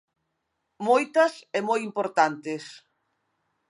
Moitas e moi importantes.